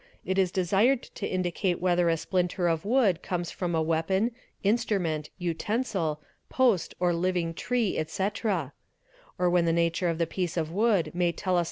it is desired to indicate whether a splinter of wood comes from a weapon, instrument, utensil, post, or 'living tree, etc.; or when the nature of the piece of wood may tell us